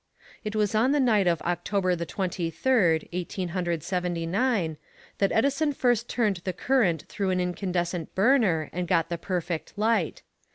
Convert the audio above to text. It was on the night of October the Twenty third, Eighteen Hundred Seventy nine, that Edison first turned the current through an incandescent burner and got the perfect light.